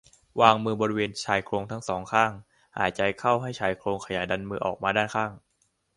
วางมือบริเวณชายโครงทั้ง สอง ข้าง หายใจเข้าให้ชายโครงขยายดันมือออกมาด้านข้าง